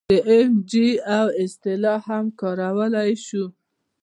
د این جي او اصطلاح هم کارولی شو.